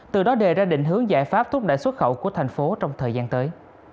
từ đó đề ra định hướng giải pháp thúc đẩy xuất khẩu của thành phố trong thời gian tới